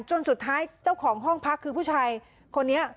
จนสุดท้ายเจ้าของห้องพักคือผู้ชายคนนี้